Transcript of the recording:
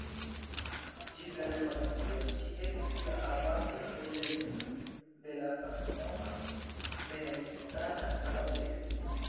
Ĝis la reformacio ĝi estis la abato-preĝejo de la samnoma benediktana abatejo.